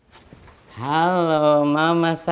iya beb aku juga tes aja